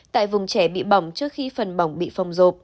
tại vùng trẻ bị bỏng trước khi phần bỏng bị phòng rộp